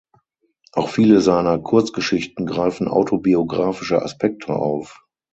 Auch viele seiner Kurzgeschichten greifen autobiografische Aspekte auf.